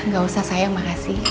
gak usah sayang makasih